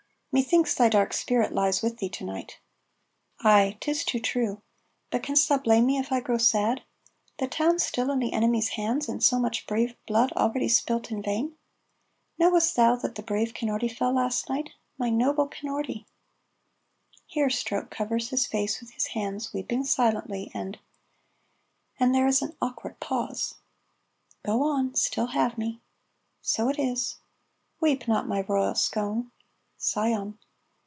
"Methinks thy dark spirit lies on thee to night." "Ay, 'tis too true. But canst thou blame me if I grow sad? The town still in the enemy's hands, and so much brave blood already spilt in vain. Knowest thou that the brave Kinnordy fell last night? My noble Kinnordy!" Here Stroke covers his face with his hands, weeping silently, and and there is an awkward pause. ("Go on 'Still have me.'") ("So it is.") "Weep not, my royal scone " ("Scion.")